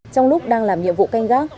trong lúc đang làm nhiệm vụ canh gác